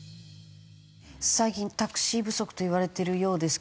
最近タクシー不足といわれているようですけれども。